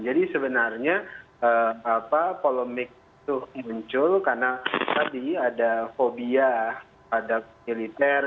jadi sebenarnya polemik itu muncul karena tadi ada fobia pada militer